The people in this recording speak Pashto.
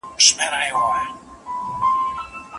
آیا دښته تر ځنګل کمي اوبه لري؟